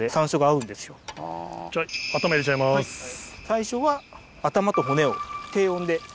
最初は頭と骨を低温で。